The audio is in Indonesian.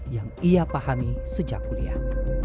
yang ia pahami sejak kuliah